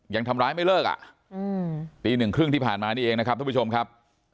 ยังทำร้ายไม่เลิกอ่ะตีหนึ่งครึ่งที่ผ่านมานี่เองนะครับทุกผู้ชมครับ